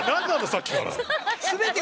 さっきから！